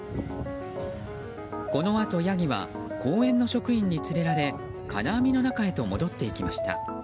このあとヤギは公園の職員に連れられ金網の中へと戻っていきました。